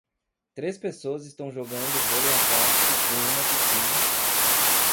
Três pessoas estão jogando vôlei aquático em uma piscina